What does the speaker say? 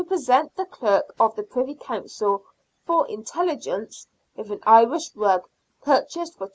119 present the Clerk of the Privy Council, " for intelligence," with an Irish rug, purchased for £2.